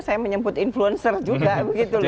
saya menyebut influencer juga begitu loh